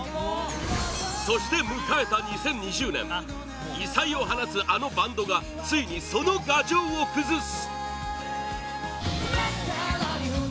そして、迎えた２０２０年異彩を放つ、あのバンドがついにその牙城を崩す！